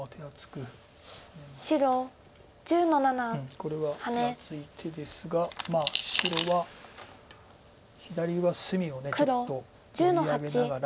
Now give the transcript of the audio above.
これは手厚い手ですがまあ白は左上隅をちょっと盛り上げながら。